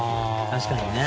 確かにね。